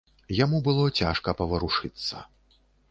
Яму было цяжка паварушыцца.